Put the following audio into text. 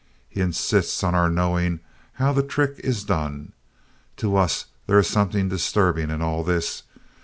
He insists on our knowing how the trick is done. To us there is something disturbing in all this.